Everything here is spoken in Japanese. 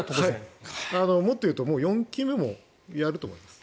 もっと言うともう４期目もやると思います。